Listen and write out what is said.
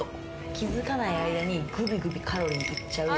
気づかない間にグビグビカロリーいっちゃう。